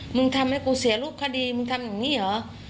กลุ่มทำให้กูเสียรูปคดีกลุ่นมันอย่างนี้เหรอ